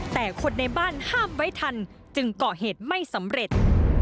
แต่คนในบ้านห้ามไว้ทันจึงเกาะเหตุไม่สำเร็จ